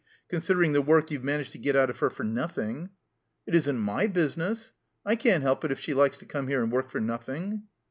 Considering the work you've managed to get out of her for nothing." It isn't my business. I can't help it, if she likes to come here and work for nothing."